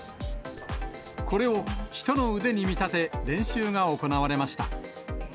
これを人の腕に見立て、練習が行われました。